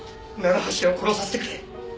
楢橋を殺させてくれ。